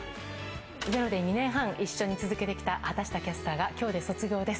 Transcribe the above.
ｚｅｒｏで２年半、一緒に続けてきた畑下キャスターがきょうで卒業です。